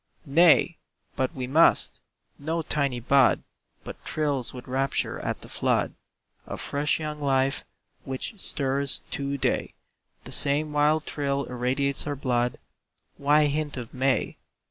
Nay, but we MUST! No tiny bud But thrills with rapture at the flood Of fresh young life which stirs to day. The same wild thrill irradiates our blood; Why hint of "May"?